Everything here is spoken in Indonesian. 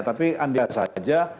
tapi andi saja